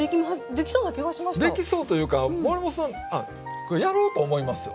できそうというか守本さんこれやろうと思いますよね。